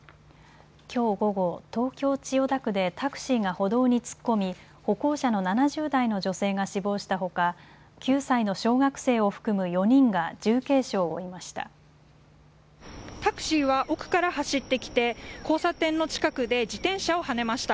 きょう午後、東京千代田区でタクシーが歩道に突っ込み歩行者の７０代の女性が死亡したほか９歳の小学生を含む４人が重軽傷を負いました。